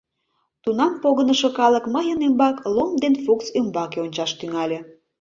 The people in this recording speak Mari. Тунам погынышо калык мыйын ӱмбак, Лом ден Фукс ӱмбаке ончаш тӱҥале.